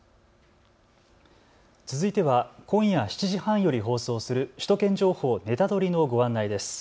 続いては今夜７時半より放送する首都圏情報ネタドリ！のご案内です。